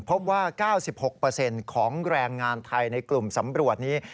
พบว่า๙๖เปอร์เซ็นต์ของแรงงานไทยในกลุ่มสำรวจนี้